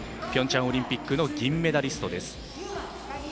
ピョンチャンオリンピックの銀メダリストです。